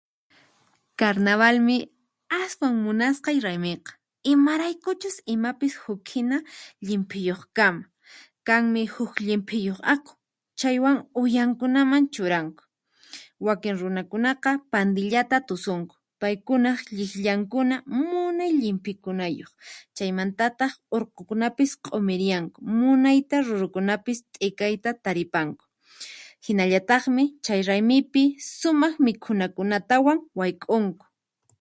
Karnavalmi aswan munasqay raymiqa, imaraykuchus imapis hukhina llimphiyuqkama, kanmi huk llimphiyuq aqu, chaywan uyankunaman churanku, wakin runakunaqa pandillata tusunku paykunaq liqllankuna munay llimphikunayuq chaymantataq urqukunapis q'umirianku munayta rurukunapis t'ikayta taripanku. Hinallataqmi chay raymipi sumaq mikhunakunatawan wayk'unku.